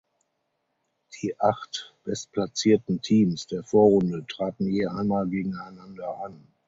Die acht bestplatzierten Teams der Vorrunde traten je einmal gegeneinander an.